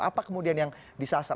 apa kemudian yang disasar